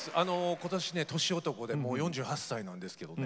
今年ね年男でもう４８歳なんですけどね